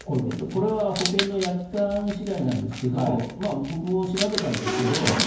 これは保険の約款次第なんですけど僕も調べたんですが